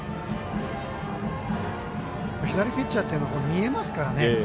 左ピッチャーというのは見えますからね。